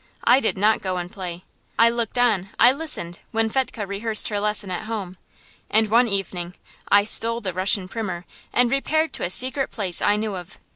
I did not go and play; I looked on, I listened, when Fetchke rehearsed her lesson at home. And one evening I stole the Russian primer and repaired to a secret place I knew of.